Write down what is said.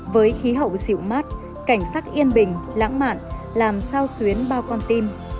với khí hậu dịu mát cảnh sắc yên bình lãng mạn làm sao xuyến bao con tim